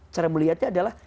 cara melihatnya adalah